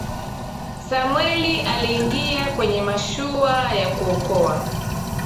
samwel aliingia kwenye mashua ya kuokoa